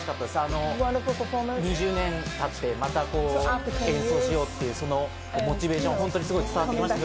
２０年経ってまた演奏しようというモチベーションが、すごく伝わってきました。